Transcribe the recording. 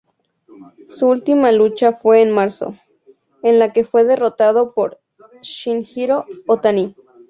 Su última lucha fue en marzo, en la que fue derrotado por Shinjiro Otani.